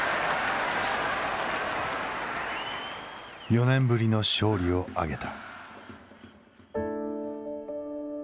４年ぶりの勝利を挙げた。